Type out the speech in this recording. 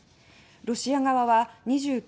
ロシア側は２９日